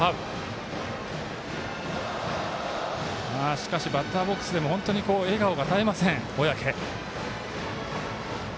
しかしバッターボックスでも本当に笑顔が絶えません、小宅。